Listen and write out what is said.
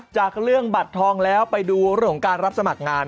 จากเรื่องบัตรทองแล้วไปดูเรื่องของการรับสมัครงาน